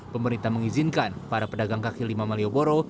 pemerintah mengizinkan para pedagang kaki lima malioboro